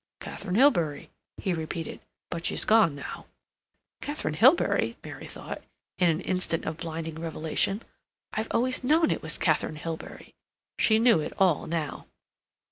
"Katharine Hilbery," he repeated. "But she's gone now." "Katharine Hilbery!" Mary thought, in an instant of blinding revelation; "I've always known it was Katharine Hilbery!" She knew it all now.